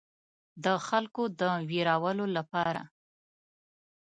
د خلکو د ویرولو لپاره.